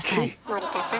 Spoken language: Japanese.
森田さん。